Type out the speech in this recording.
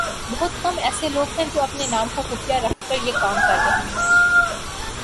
بہت کم ایسے لوگ ہیں جو اپنے نام کو خفیہ رکھ کر یہ کام کررہے ہیں